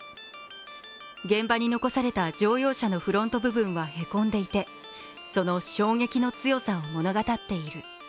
現場に残された乗用車のフロント部分はへこんでいてその衝撃の強さを物語っている。